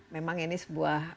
memang ini sebuah